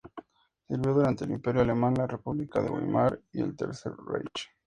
Sirvió durante el Imperio alemán, la República de Weimar y el Tercer Reich.